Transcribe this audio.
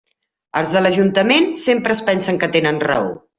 Els de l'ajuntament sempre es pensen que tenen raó.